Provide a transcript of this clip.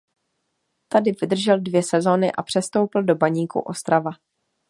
Tady vydržel dvě sezony a přestoupil do Baníku Ostrava.